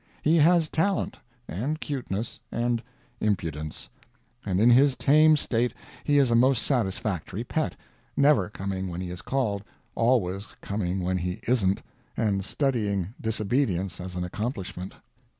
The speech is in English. He has talent, and cuteness, and impudence; and in his tame state he is a most satisfactory pet never coming when he is called, always coming when he isn't, and studying disobedience as an accomplishment.